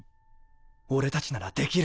俺たちならできる！